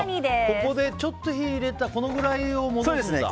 ここでちょっと火を入れたこのぐらいを戻すんだ。